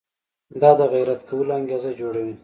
دا د غیرت کولو انګېزه جوړوي.